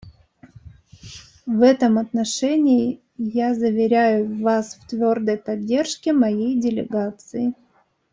В этом отношении я заверяю Вас в твердой поддержке моей делегации.